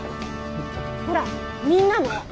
ほらみんなも！